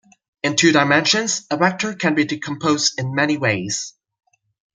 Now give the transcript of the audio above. In two dimensions, a vector can be decomposed in many ways.